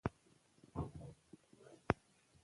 که په تعلیم کې بریا وي، نو تیاره ختمېږي.